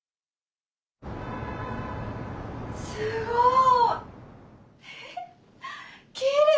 すごい！